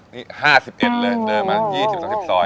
นี่๕๑เลยเดินมา๒๐๓๐ซอย